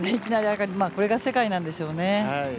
これが世界なんでしょうね。